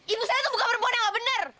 ibu saya tuh bukan perempuan yang nggak bener